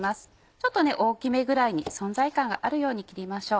ちょっと大きめぐらいに存在感があるように切りましょう。